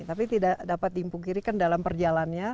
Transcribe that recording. tapi tidak dapat diimpuk kirikan dalam perjalannya